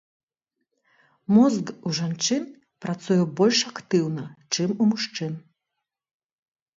Мозг у жанчын працуе больш актыўна, чым у мужчын.